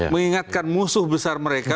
mengingatkan musuh besar mereka